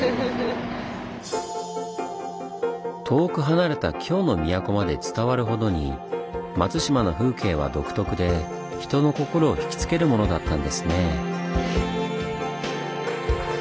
遠く離れた京の都まで伝わるほどに松島の風景は独特で人の心をひきつけるものだったんですねぇ。